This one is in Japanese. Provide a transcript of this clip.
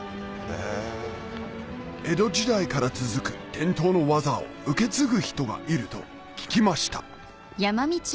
江戸時代から続く伝統の技を受け継ぐ人がいると聞きました